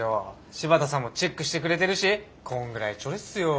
柴田さんもチェックしてくれてるしこんぐらいチョレーっすよ。